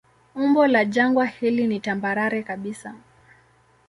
Umbo la jangwa hili ni tambarare kabisa.